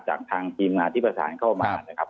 จากพัชธวงาที่ประสานเข้ามานะครับ